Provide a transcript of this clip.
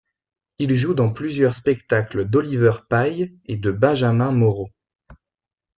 Il joue dans plusieurs spectacles d’Olivier Py et de Benjamin Moreau.